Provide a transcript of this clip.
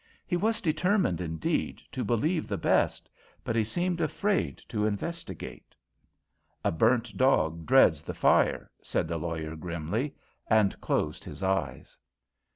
He was determined, indeed, to believe the best; but he seemed afraid to investigate." "A burnt dog dreads the fire," said the lawyer grimly, and closed his eyes.